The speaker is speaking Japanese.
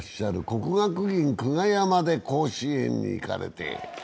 国学院久我山で甲子園に行かれている。